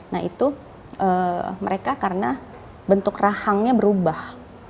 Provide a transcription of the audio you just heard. nah itu mereka karena bentuk rahangnya berubah